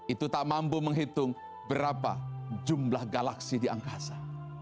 itu tak mampu menghitung berapa jumlah galaksi di angkasa